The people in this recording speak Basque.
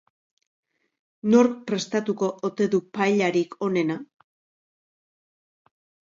Nork prestatuko ote du paellarik onena?